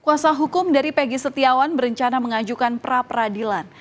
kuasa hukum dari pegi setiawan berencana mengajukan pra peradilan